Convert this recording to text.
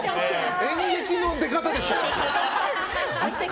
演劇の出方でしたよ。